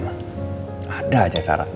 ada aja cara aja